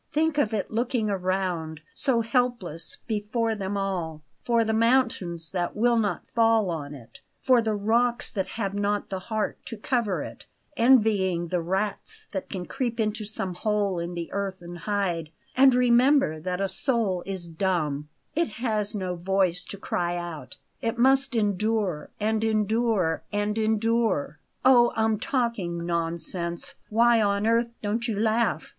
Think of it looking round so helpless before them all for the mountains that will not fall on it for the rocks that have not the heart to cover it envying the rats that can creep into some hole in the earth and hide; and remember that a soul is dumb it has no voice to cry out it must endure, and endure, and endure. Oh! I'm talking nonsense! Why on earth don't you laugh?